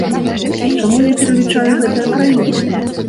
Чаму я пералічаю гэтыя краіны?